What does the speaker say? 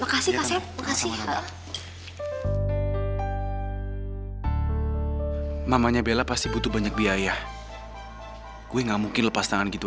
makasih mamanya bella pasti butuh banyak biaya gue nggak mungkin lepas tangan gitu